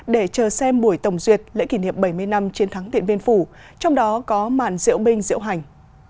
để chờ xem buổi tổng duyệt lễ kỷ niệm bảy mươi năm chiến thắng điện biên phủ trong đó có màn diễu binh diễu hành